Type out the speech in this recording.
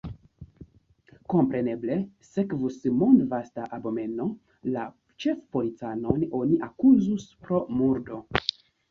Kompreneble sekvus mondvasta abomeno, la ĉefpolicanon oni akuzus pro murdo.